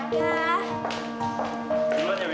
aku juga bisa berhubung dengan kamu